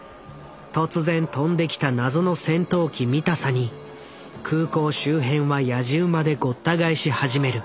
突然飛んできた謎の戦闘機見たさに空港周辺はやじ馬でごった返し始める。